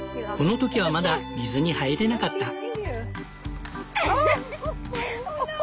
この時はまだ水に入れなかった。